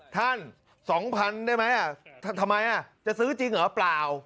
๒๐๐๐ได้ไหมทำไมจะซื้อจริงเหรอเปล่า